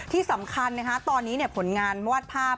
ที่สำคัญตอนนี้ผลงานวาดภาพ